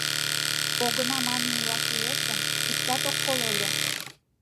— Огына манын илаш лиеш гын, иктат ок коло ыле.